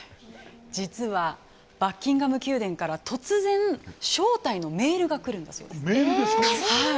実はバッキンガム宮殿から突然招待のメールが来るんだそうです。